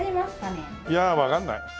いやわかんない。